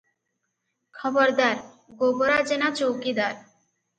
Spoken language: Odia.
'ଖବରଦାର! ଗୋବରା ଜେନା ଚଉକିଦାର ।'